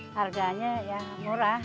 harganya ya murah